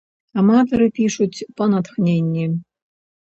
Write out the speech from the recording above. Аматары пішуць па натхненні.